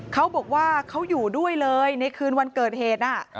เขาบอกว่าเขาอยู่ด้วยเลยในคืนวันเกิดเหตุ